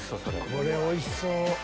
これおいしそう。